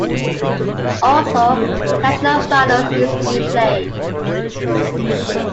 Also national finals used to be played.